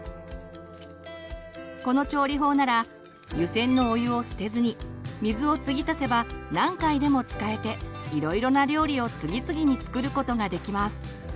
この調理法なら湯せんのお湯を捨てずに水をつぎ足せば何回でも使えていろいろな料理を次々に作ることができます。